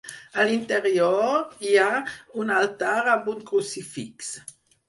A l'interior hi ha un altar amb un crucifix.